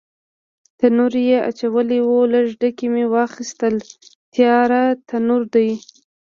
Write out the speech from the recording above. تنور یې اچولی و، لږ ډکي مې واخیستل، تیار تنور دی.